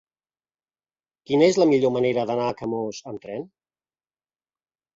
Quina és la millor manera d'anar a Camós amb tren?